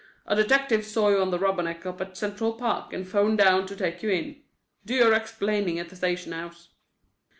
A detective saw you on the Rubberneck up at Central Park and 'phoned down to take you in. Do your explaining at the station house."